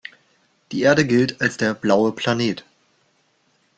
Die Erde gilt als der „blaue Planet“.